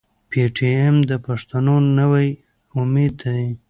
پي ټي ايم د پښتنو نوی امېد دی.